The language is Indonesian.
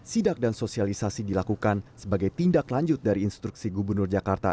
sidak dan sosialisasi dilakukan sebagai tindak lanjut dari instruksi gubernur jakarta